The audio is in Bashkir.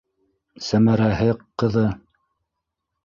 Сәмәрәһе, ҡыҙы.